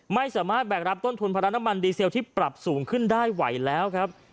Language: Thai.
ไม่สามารถแบกรับต้นทุนภาระน้ำมันดีเซลที่ปรับสูงขึ้นได้ไหวแล้วครับ